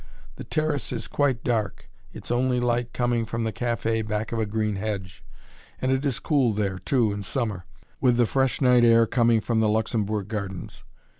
The terrace is quite dark, its only light coming from the café, back of a green hedge, and it is cool there, too, in summer, with the fresh night air coming from the Luxembourg Gardens.